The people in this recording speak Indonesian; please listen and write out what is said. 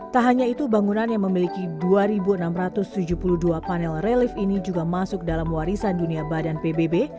tak hanya itu bangunan yang memiliki dua enam ratus tujuh puluh dua panel relief ini juga masuk dalam warisan dunia badan pbb